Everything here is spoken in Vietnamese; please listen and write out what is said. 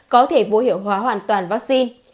có thể vô hiệu hóa hoàn toàn vắc xin